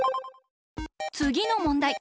つぎのもんだい。